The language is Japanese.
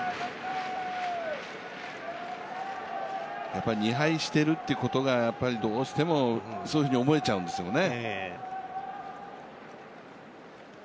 やっぱ２敗してるってことがどうしてもそう思えちゃうんですよね。